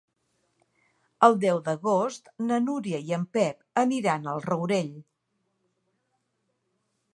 El deu d'agost na Núria i en Pep aniran al Rourell.